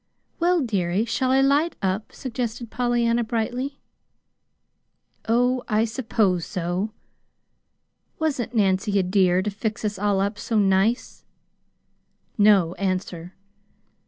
"Well, dearie, shall I light up?" suggested Pollyanna, brightly. "Oh, I suppose so." "Wasn't Nancy a dear to fix us all up so nice?" No answer.